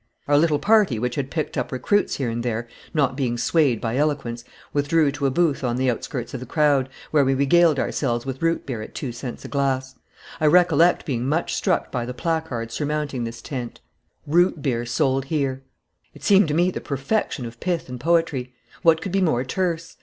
Our little party which had picked up recruits here and there, not being swayed by eloquence, withdrew to a booth on the outskirts of the crowd, where we regaled ourselves with root beer at two cents a glass. I recollect being much struck by the placard surmounting this tent: ROOT BEER SOLD HERE It seemed to me the perfection of pith and poetry. What could be more terse?